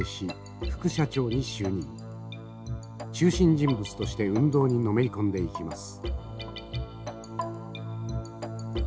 中心人物として運動にのめり込んでいきます。